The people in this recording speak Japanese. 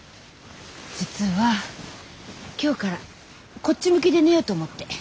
実は今日からこっち向きで寝ようと思って。